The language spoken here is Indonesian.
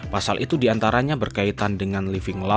pasal itu diantaranya berkaitan dengan kesehatan kesehatan